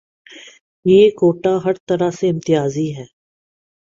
یہ کوٹہ ہرطرح سے امتیازی ہے۔